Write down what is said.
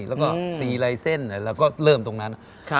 แล้วก็๔ลายเส้นเราก็เริ่มตรงนั้น